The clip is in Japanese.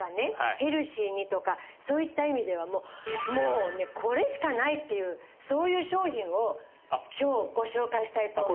ヘルシーにとかそういった意味ではもうもうねこれしかない！っていうそういう商品を今日ご紹介したいと思います。